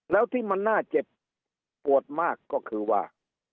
แล้วที่มันน่าเจ็บปวดมากก็คือว่า